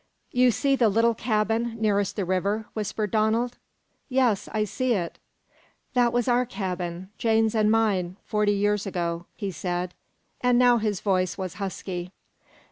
"You see the little cabin nearest the river?" whispered Donald. "Yes, I see it." "That was our cabin Jane's an' mine forty years ago," he said, and now his voice was husky.